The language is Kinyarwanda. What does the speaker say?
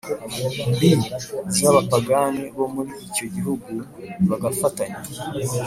Mbi z abapagani bo muri icyo gihugu bagafatanya